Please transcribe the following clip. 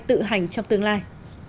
tự hành trong tương lai